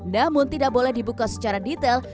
namun tidak boleh dibuka secara detail